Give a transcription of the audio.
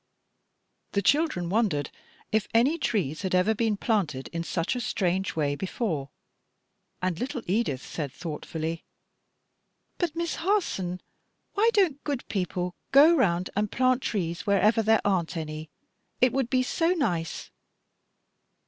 The children wondered if any trees had ever been planted in such a strange way before, and little Edith said thoughtfully, "But, Miss Harson, why don't good people go around and plant trees wherever there aren't any? It would be so nice!"